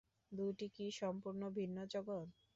দুটি কি সম্পূর্ণ ভিন্ন জগৎ?